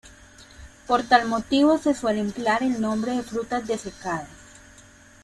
Por tal motivo, se suele emplear el nombre de frutas desecadas.